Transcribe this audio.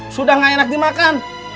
sudah gak enak dimakan